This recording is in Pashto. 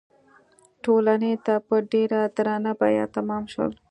ټولنې ته په ډېره درنه بیه تمام شول.